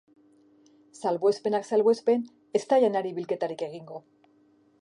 Salbuespenak salbuespen, ez da janarik bilketarik egingo.